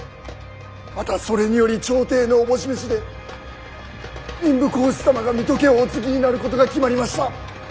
またそれにより朝廷の思し召しで民部公子様が水戸家をお継ぎになることが決まりました。